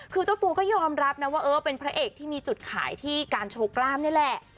คือเจ้าตัวก็ยอมรับนะว่าเออเป็นพระเอกที่มีจุดขายที่การโชว์กล้ามนี่แหละ